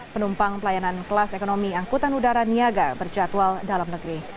penumpang pelayanan kelas ekonomi angkutan udara niaga berjadwal dalam negeri